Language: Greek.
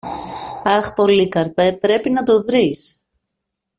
Αχ, Πολύκαρπε, Πρέπει να το βρεις!